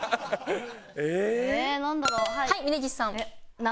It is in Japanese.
はい峯岸さん。